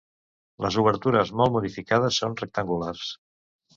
Les obertures, molt modificades, són rectangulars.